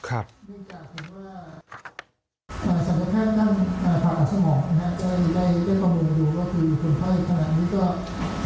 ครับ